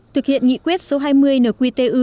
thực hiện nghị quyết số hai mươi nqtu